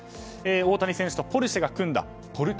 大谷選手とポルシェが組みました。